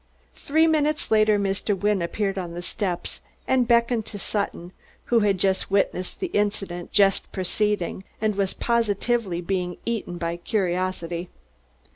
Three minutes later Mr. Wynne appeared on the steps again and beckoned to Sutton, who had just witnessed the incident just preceding, and was positively being eaten by curiosity.